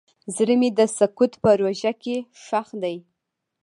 زړه مې د سکوت په ژوره کې ښخ دی.